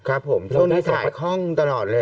ครับผมช่วงนี้สายคล่องตลอดเลย